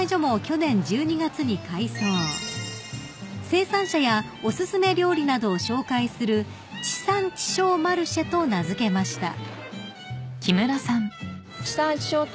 ［生産者やお薦め料理などを紹介する知産知消マルシェと名付けました］